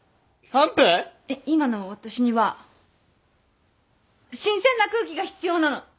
いっ今の私には新鮮な空気が必要なの！